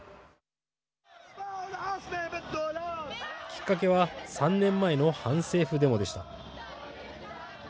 きっかけは３年前の反政府デモでした。